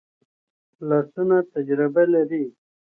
لاسونه تجربه لري